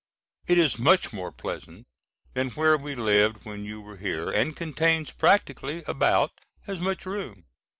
It is much more pleasant than where we lived when you were here, and contains practically about as much room.